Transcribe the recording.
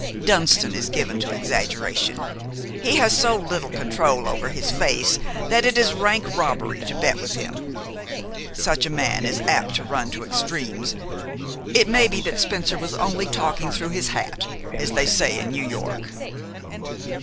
Dunston is given to exaggeration. He has so little control over his face that it is rank robbery to bet with him. Such a man is apt to run to extremes. It may be that Spencer was only talking through his hat, as they say in New York."